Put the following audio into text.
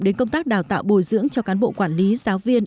đến công tác đào tạo bồi dưỡng cho cán bộ quản lý giáo viên